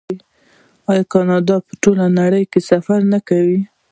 آیا کاناډایان په ټوله نړۍ کې سفر نه کوي؟